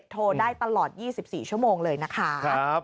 โทรได้ตลอด๒๔ชั่วโมงเลยนะคะ